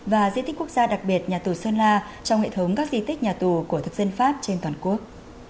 và di tích quốc gia đặc biệt nhà tù sơn la trong hệ thống các di tích nhà tù của thực dân pháp trên toàn quốc